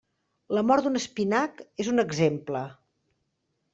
La mort d'un espinac és un exemple.